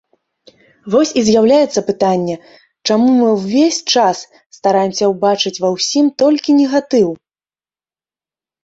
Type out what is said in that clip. Вось і з'яўляецца пытанне, чаму мы ўвесь час стараемся ўбачыць ва ўсім толькі негатыў?